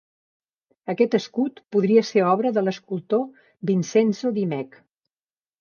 Aquest escut podria ser obra de l'escultor Vincenzo Dimech.